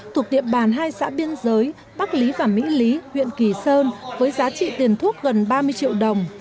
thuộc địa bàn hai xã biên giới bắc lý và mỹ lý huyện kỳ sơn với giá trị tiền thuốc gần ba mươi triệu đồng